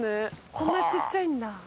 こんな小っちゃいんだ。ねぇ。